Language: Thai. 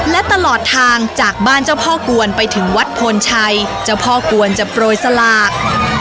และตลอดทางจากบ้านเจ้าพ่อกวนไปถึงวัดโพนชัยเจ้าพ่อกวนจะโปรยสลาก